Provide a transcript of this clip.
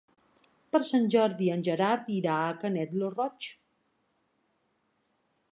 Per Sant Jordi en Gerard irà a Canet lo Roig.